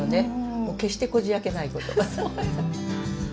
決してこじあけないこと。